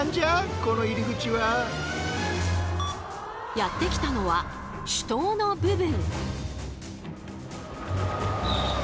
やって来たのは主塔の部分。